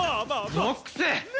ゾックス！